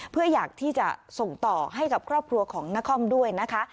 เพื่ออยากที่จะส่งต่อให้กับครอบครัวของนครด้วยนะคะ